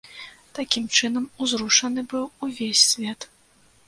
Такім чынам, узрушаны быў увесь свет.